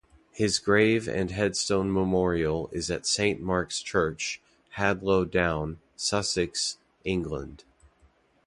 His grave and headstone memorial is at Saint Mark's Church, Hadlow Down, Sussex, England.